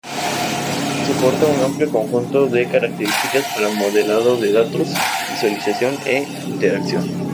Soporta un amplio conjunto de características para modelado de datos, visualización e interacción.